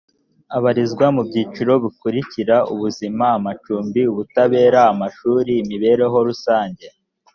abarizwa mu byiciro bikurikira ubuzima amacumbi ubutabera amashuri imibereho rusange